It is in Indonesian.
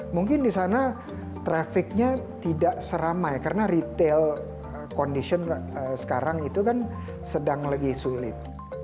mungkin di sana trafficnya tidak seramai karena retail condition sekarang itu kan sedang lagi sulit